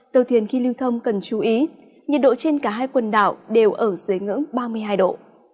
tàu thuyền khi lưu thông cần chú ý nhiệt độ trên cả hai quần đảo đều ở dưới ngưỡng ba mươi hai độ